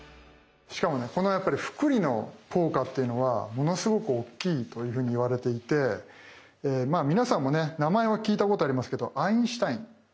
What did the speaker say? しかもねこの複利の効果っていうのはものすごく大きいというふうに言われていて皆さんもね名前は聞いたことありますけどアインシュタイン。